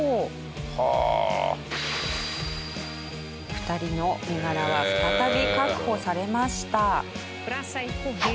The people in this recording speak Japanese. ２人の身柄は再び確保されました。